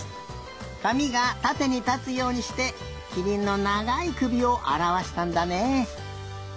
かみがたてにたつようにしてきりんのながいくびをあらわしたんだねえ。